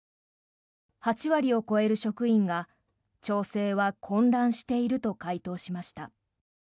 ８割を超える職員が町政は混乱していると回答しました。